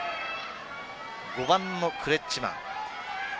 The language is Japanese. ５番のクレッチマン。